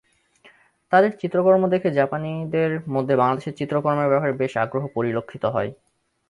তাদের চিত্রকর্ম দেখে জাপানিদের মধ্যে বাংলাদেশের চিত্রকর্মের ব্যাপারে বেশ আগ্রহ পরিলক্ষিত হয়।